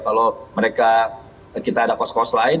kalau mereka kita ada kos kos lain